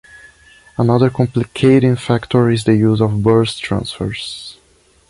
Another complicating factor is the use of burst transfers.